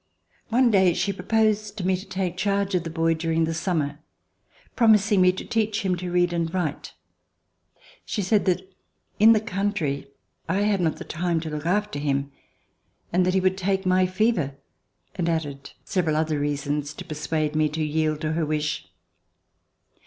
One day she proposed to me to take charge of the boy during the summer, promising me to teach him to read and write. She said that in the country I had not the time to look after him, that he would take my fever, and added several other reasons to persuade me to yield to her wish.